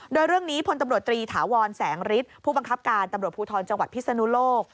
โดยเรื่องนี้พลตำรวจตรีถาวรแสงฤทธิ์ผู้บังคับการตำรวจภูทรจังหวัดพิศนุโลก